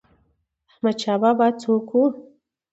احمد شاه بابا څوک و؟